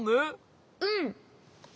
うん。